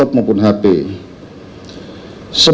atau hal hal terkira